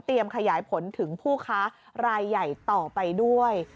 ขยายผลถึงผู้ค้ารายใหญ่ต่อไปด้วย